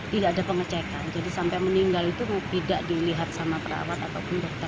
tidak ada pengecekan jadi sampai meninggal itu tidak dilihat sama perawat ataupun dokter